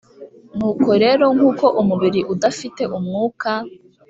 nuko rero nk’uko umubiri udafite umwuka